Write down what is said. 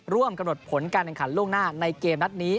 ร่วมกำหนดผลการแข่งขันล่วงหน้าในเกมนัดนี้